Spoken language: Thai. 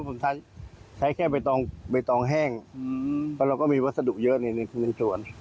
ผมใช้แค่ใบตองใบตองแห้งเพราะเราก็มีวัสดุเยอะในสวน